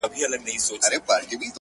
ورته ګوري به وارونه د لرګیو!.